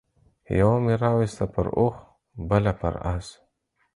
يوه مې راوسته پر اوښ بله پر اس